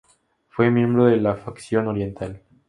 Fue miembro de la Facción Oriental.